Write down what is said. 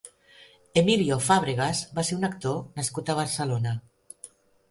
Emilio Fábregas va ser un actor nascut a Barcelona.